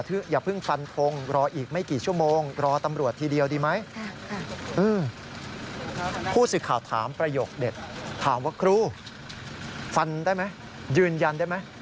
ครูฟันได้ไหมยืนยันได้ไหม